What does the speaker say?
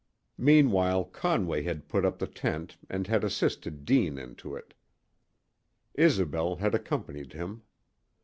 Meanwhile Conway had put up the tent and had assisted Deane into it. Isobel had accompanied him.